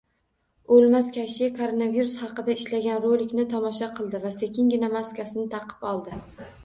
O'lmas kashshey Koronavirus haqida ishlangan rolikni tomosha qildi va sekingina maskasini taqib oldi...